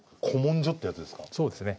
昔のそうですね。